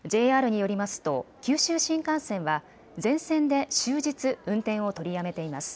ＪＲによりますと九州新幹線は全線で終日、運転を取りやめています。